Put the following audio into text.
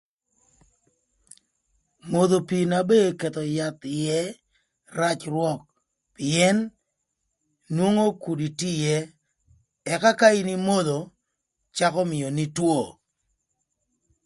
Modho pii na ba eketho yath ïë rac rwök, pïën nwongo kudi tye ïë ëka ka in imodho, cakö mïöni two.